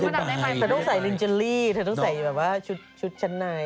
เธอต้องใส่ลินเจอรี่เธอต้องใส่ชุดชัดไหน